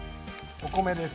お米です。